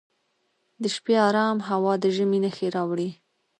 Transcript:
د شپې ارام هوا د ژمي نښې راوړي.